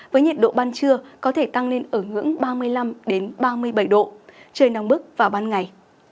với nhiệt độ ban trưa có thể tăng lên ở ngưỡng ba mươi năm ba mươi bảy độ trời nắng bức vào ban ngày